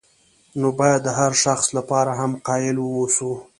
نو باید د هر شخص لپاره هم قایل واوسو.